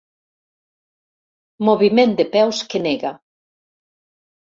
Moviment de peus que nega.